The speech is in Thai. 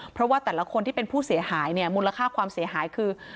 เพราะว่าแต่ละคนที่เป็นผู้เสียหายเนี่ยมูลค่าความเสียหายคือ